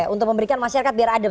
untuk memberikan masyarakat biar adem